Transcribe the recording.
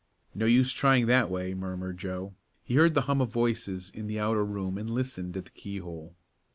"No use trying that way," murmured Joe. He heard the hum of voices in the outer room and listened at the keyhole.